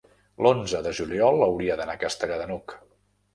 l'onze de juliol hauria d'anar a Castellar de n'Hug.